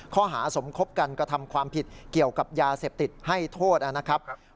ข้อหาสมคบกันกระทำความผิดเกี่ยวกับยาเสพติดให้โทษนะครับ